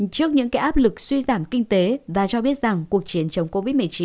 trước những cái áp lực suy giảm kinh tế và cho biết rằng cuộc chiến chống covid một mươi chín